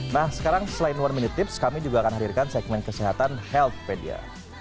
nah sekarang selain one minute tips kami juga akan hadirkan segmen kesehatan healthpedia